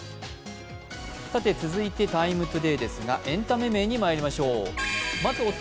続いて「ＴＩＭＥ，ＴＯＤＡＹ」ですが、エンタメ面にまいりましょう。